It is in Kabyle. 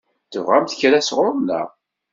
Tebɣamt kra sɣur-neɣ?